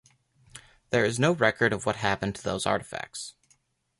There is no record of what happened to those artifacts.